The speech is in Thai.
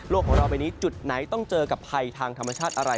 ของเราไปนี้จุดไหนต้องเจอกับภัยทางธรรมชาติอะไร